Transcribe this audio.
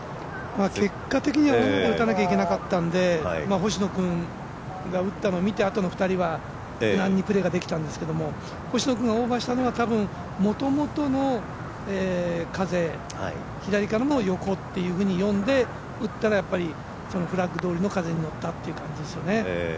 結果的には弱く打たなきゃいけなかったので星野君が打ったのを見てからあとの２人は無難にプレーができたんですけど星野君がオーバーしたのはもともとの風左からの横と読んで、打ったらフラッグどおりの風に乗ったという感じですよね。